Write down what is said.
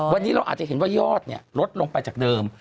วันนี้เราอาจจะเห็นว่ายอดลดลงไปจากเดิม